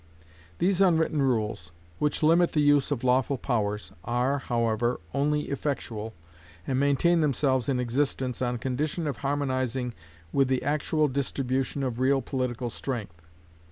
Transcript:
These unwritten rules, which limit the use of lawful powers, are, however, only effectual, and maintain themselves in existence on condition of harmonising with the actual distribution of real political strength.